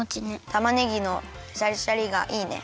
たまねぎのシャリシャリがいいね。